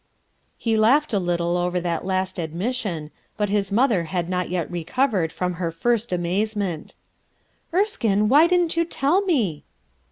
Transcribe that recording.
He laughed a little over that last admission, but his mother had not yet recovered from her first amazement. "Erskine, why didn't you tell me?"